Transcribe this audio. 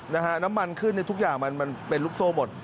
ใช่น้ำมันขึ้นทุกอย่างมันเป็นลูกโซ่หมด